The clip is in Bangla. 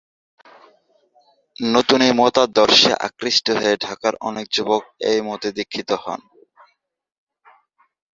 নতুন এই মতাদর্শে আকৃষ্ট হয়ে ঢাকার অনেক যুবক এই মতে দীক্ষিত হন।